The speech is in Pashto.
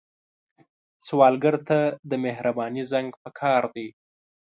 سوالګر ته د مهرباني زنګ پکار دی